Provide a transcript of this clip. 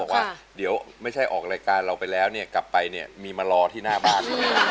บอกว่าเดี๋ยวไม่ใช่ออกรายการเราไปแล้วเนี่ยกลับไปเนี่ยมีมารอที่หน้าบ้าน